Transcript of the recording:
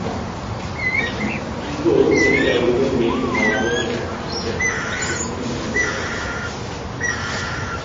কিন্তু গাড়িতে ‘made in Bangladesh’ লেখা থাকবে না, এটি তিনি মেনে নিতে পারেননি।